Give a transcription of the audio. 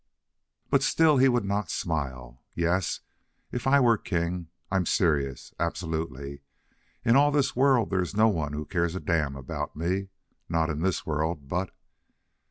But still he would not smile. "Yes. If I were king. I'm serious. Absolutely. In all this world there is no one who cares a damn about me. Not in this world, but...."